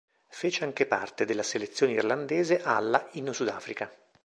Fece anche parte della selezione irlandese alla in Sudafrica.